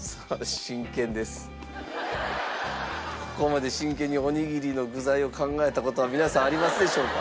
ここまで真剣におにぎりの具材を考えた事は皆さんありますでしょうか？